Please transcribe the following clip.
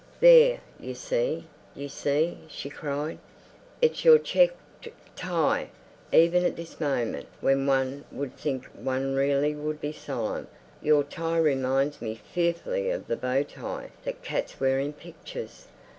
"There, you see, you see," she cried, "it's your check t tie. Even at this moment, when one would think one really would be solemn, your tie reminds me fearfully of the bow tie that cats wear in pictures!